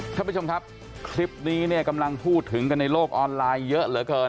ท่านผู้ชมครับคลิปนี้เนี่ยกำลังพูดถึงกันในโลกออนไลน์เยอะเหลือเกิน